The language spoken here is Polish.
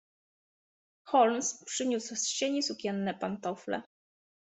"Holmes przyniósł z sieni sukienne pantofle."